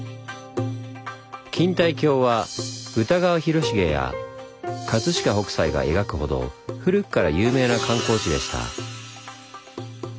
錦帯橋は歌川広重や飾北斎が描くほど古くから有名な観光地でした。